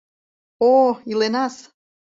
О-о, иленас!